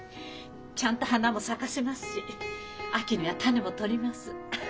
ちゃんと花も咲かせますし秋には種も取ります。